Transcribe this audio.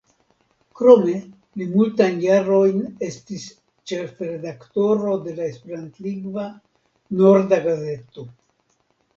Krome li multajn jarojn estis ĉefredaktoro de la esperantlingva «Norda Gazeto».